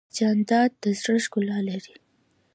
جانداد د زړه ښکلا لري.